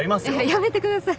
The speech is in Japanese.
やめてください。